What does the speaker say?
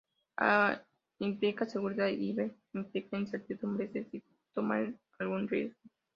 A implica seguridad y B implica incertidumbre, es decir, tomar algún riesgo.